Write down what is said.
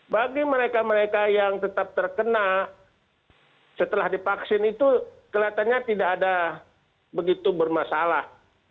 bagi mereka mereka yang tetap terkena setelah divaksin itu kelihatannya tidak ada begitu bermasalah